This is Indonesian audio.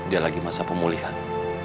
dia lagi masa pemulihan